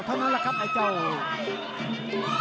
เท่านั้นแหละครับบ้าง